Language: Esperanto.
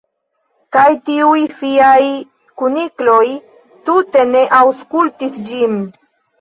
Kaj tiuj fiaj kunikloj tute ne aŭskultis ĝin!